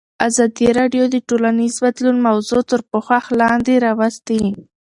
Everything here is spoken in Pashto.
ازادي راډیو د ټولنیز بدلون موضوع تر پوښښ لاندې راوستې.